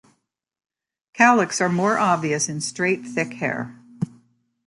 Cowlicks are more obvious in straight, thick hair.